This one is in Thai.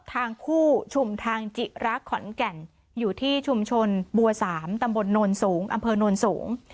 ทางคู่ชุมทางจิรักขอนแก่นอยู่ที่ชุมชนบัวสามตำบลโนนสูงอำเภอโนนสูง